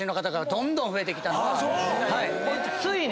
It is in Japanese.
ついに。